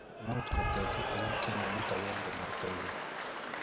much kotebii eng kembout agenge, ma kogeny?